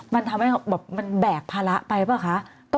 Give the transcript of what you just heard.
มันแบกภาระไปเปล่าคะ